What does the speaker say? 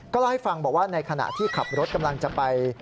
เล่าให้ฟังบอกว่าในขณะที่ขับรถกำลังจะไป